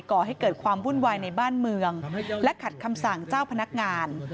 ก่อให้เกิดความวุ่นวายในบ้านเมืองและขัดคำสั่งเจ้าพนักงาน